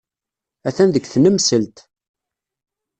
Atan deg tnemselt.